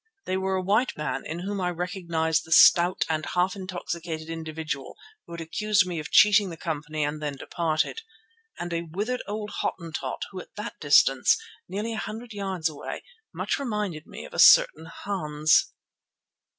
They were a white man, in whom I recognized the stout and half intoxicated individual who had accused me of cheating the company and then departed, and a withered old Hottentot who at that distance, nearly a hundred yards away, much reminded me of a certain Hans.